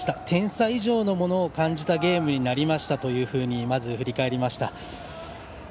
点差以上のものを感じたゲームになりましたというふうにまず振り返りました。